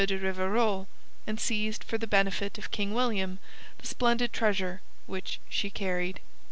de Rivarol, and seized for the benefit of King William the splendid treasure which she carried.